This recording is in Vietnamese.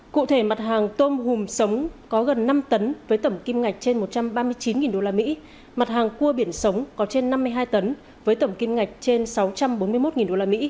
cụ thể mặt hàng tôm hùm sống có gần năm tấn với tẩm kim ngạch trên một trăm ba mươi chín usd mặt hàng cua biển sống có trên năm mươi hai tấn với tổng kim ngạch trên sáu trăm bốn mươi một usd